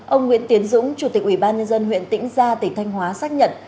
ông nguyễn tiến dũng chủ tịch ủy ban nhân dân huyện tĩnh gia tỉnh thanh hóa xác nhận